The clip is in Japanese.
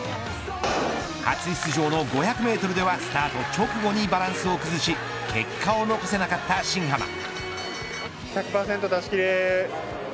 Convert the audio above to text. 初出場の５００メートルではスタート直後にバランスを崩し結果を残せなかった新濱。